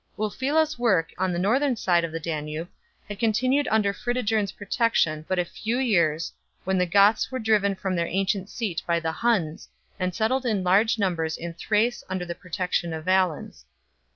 Ulfilas s work on the northern side of the Danube had continued under Fritigern s protection but a few years, when the Goths were driven from their ancient seat by the Huns, and settled in large numbers in Thrace under the protection of Valens.